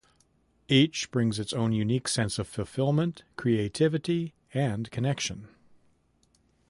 Each brings its own unique sense of fulfillment, creativity, and connection.